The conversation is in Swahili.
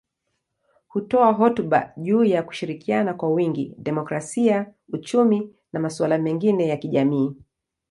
Hutoa hotuba juu ya kushirikiana kwa wingi, demokrasia, uchumi na masuala mengine ya kijamii.